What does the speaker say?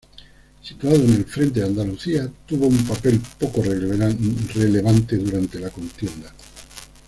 Situado en el Frente de Andalucía, tuvo un papel poco relevante durante la contienda.